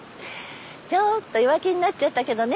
ちょっと弱気になっちゃったけどね。